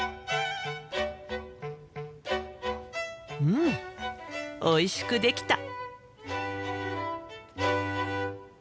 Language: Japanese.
うんおいしくできた。